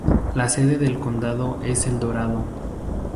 La sede del condado es El Dorado.